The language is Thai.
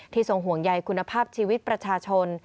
ทรงห่วงใยคุณภาพชีวิตประชาชน